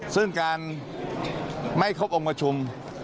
ซึ่งการไม่ครบองค์ประชุม